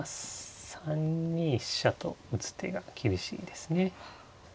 ３二飛車と打つ手が厳しいですね。